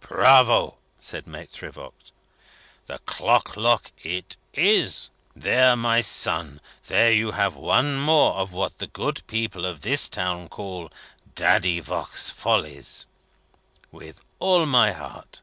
"Bravo!" said Maitre Voigt. "The clock lock it is! There, my son! There you have one more of what the good people of this town call, 'Daddy Voigt's follies.' With all my heart!